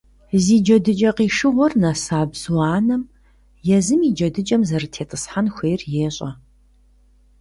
Зи джэдыкӀэ къишыгъуэр къэса бзу анэм езым и джэдыкӀэм зэрытетӀысхьэн хуейр ещӀэ.